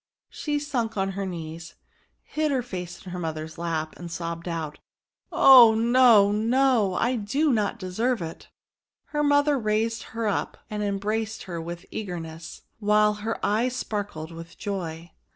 She sunk on her knees, hid her face in her mother's lap, and sobbed out, " Oh no ! no ! I do not deserve it." Her mother raised her up, and embraced her with eager ness, while her eyes sparkled with joy.